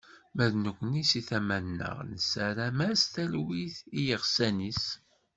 Ma d nekni seg tama-nneɣ, nessaram-as talwit i yiɣsan-is.